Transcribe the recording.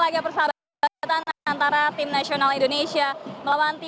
jihan selamat sore menjelang pertandingan selesai